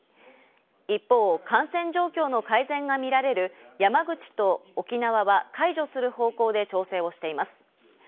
一方、感染状況の改善がみられる、山口と沖縄は解除する方向で調整をしています。